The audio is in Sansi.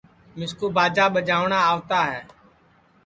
مِسکُو باجا ٻجاوٹؔا آوتا ہے